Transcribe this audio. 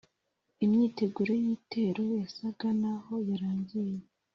imyiteguro y'igitero yasaga n'aho yarangiye.